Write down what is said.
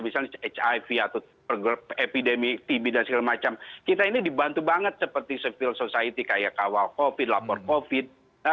misalnya hiv atau epidemi tb dan segala macam kita ini dibantu banget seperti civil society kayak kawal covid lapor covid